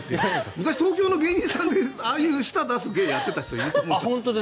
昔、東京の芸人さんでああいう舌を出す芸をやる人がいたと思うけど。